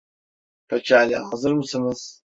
Pekala, hazır mısınız?